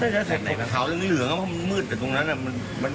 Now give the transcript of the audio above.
ใช่ใช่ใช่เขาเหลืองเพราะมันมืดแต่ตรงนั้นมันไม่ได้มีไฟ